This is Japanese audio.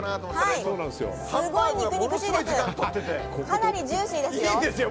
かなりジューシーですよ。